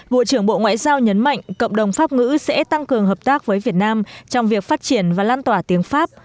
bộ trưởng bộ ngoại giao nhấn mạnh cộng đồng pháp ngữ sẽ tăng cường hợp tác với việt nam trong việc phát triển và lan tỏa tiếng pháp